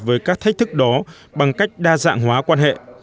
với các thách thức đó bằng cách đa dạng hóa quan hệ